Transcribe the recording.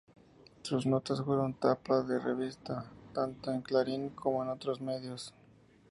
Sus notas fueron tapa de revista tanto en Clarín como en otros medios.